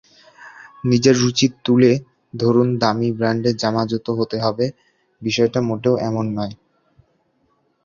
নিজের রুচি তুলে ধরুনদামি ব্র্যান্ডের জামা-জুতো হতে হবে বিষয়টা মোটেও এমন নয়।